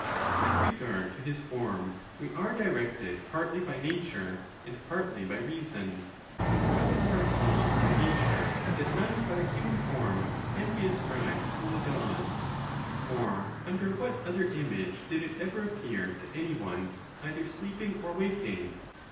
XVIII. With regard to his form, we are directed partly by nature and partly by reason. All men are told by nat ure that none but a human form can be asci'ibed to the Gods ; for under what other image did it ever appear to any one either sleeping or waking?